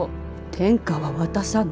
天下は渡さぬ。